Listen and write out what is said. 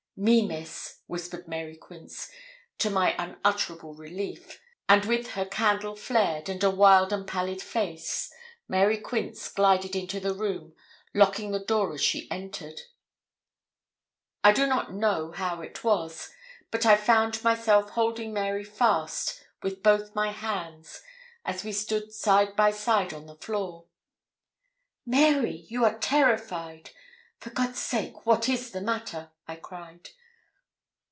'Me, Miss,' whispered Mary Quince, to my unutterable relief; and with her candle flared, and a wild and pallid face, Mary Quince glided into the room, locking the door as she entered. I do not know how it was, but I found myself holding Mary fast with both my hands as we stood side by side on the floor. 'Mary, you are terrified; for God's sake, what is the matter?' I cried.